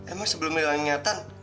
emang sebelum hilang ingatan